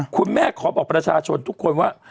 คุณแม่ขอบอกประชาชนทุกคนว่า